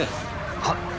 はっ。